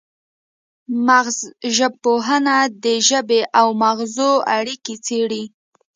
مغزژبپوهنه د ژبې او مغزو اړیکې څیړي